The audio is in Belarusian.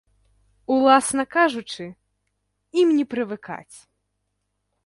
Уласна кажучы, ім не прывыкаць.